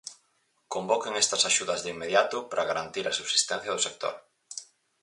Convoquen estas axudas de inmediato para garantir a subsistencia do sector.